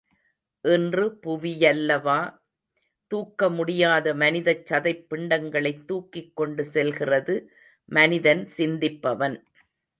இன்று புவியல்லவா தூக்கமுடியாத மனிதச் சதைப் பிண்டங்களைத் தூக்கிக் கொண்டு செல்கிறது மனிதன் சிந்திப்பவன்.